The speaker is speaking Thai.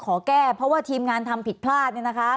ขอแก้เพราะว่าทีมงานทำผิดพลาดเนี่ยนะคะ